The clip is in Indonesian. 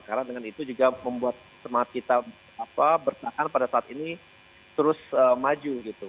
karena dengan itu juga membuat semangat kita bertahan pada saat ini terus maju gitu